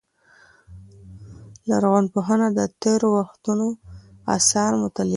لرغونپوهنه د تېرو وختونو آثار مطالعه کوي.